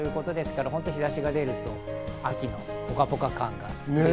日差しが出ると秋のポカポカ感が。